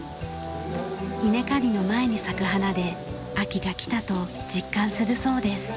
稲刈りの前に咲く花で秋が来たと実感するそうです。